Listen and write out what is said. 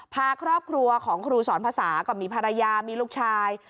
พาครอบครัวของครูสอนภาษาก็มีภรรยามีลูกชาย